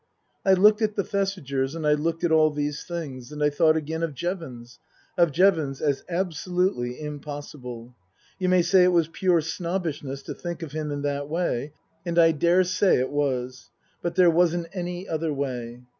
I looked at the Thesigers and I looked at all these things, and I thought again of Jevons of Jevons as absolutely impossible. You may say it was pure snobbishness to think of him in that way, and I daresay it was ; but there wasn't any other way.